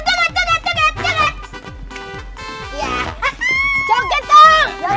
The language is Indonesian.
jangan jangan jangan